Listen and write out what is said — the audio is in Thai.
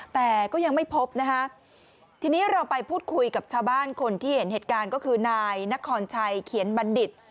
แต่ก็ยังไม่พบนะคะทีนี้เราไปพูดคุยกับชาวบ้านคนที่เห็นเหตุการณ์ก็คือนายนครชัยเขียนบัณฑิต